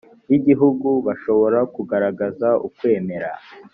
y igihugu bashobora kugaragaza ukwemera